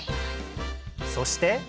そして